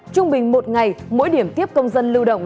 trung bình một ngày mỗi điểm tiếp công dân lưu động